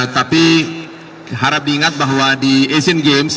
tapi harap diingat bahwa di asian games